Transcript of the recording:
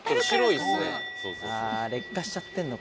「ああ劣化しちゃってるのか」